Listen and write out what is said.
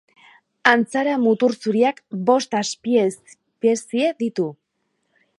Antzara muturzuriak bost azpiespezie ditu.